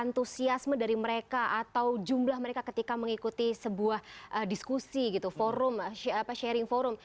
antusiasme dari mereka atau jumlah mereka ketika mengikuti sebuah diskusi gitu forum sharing forum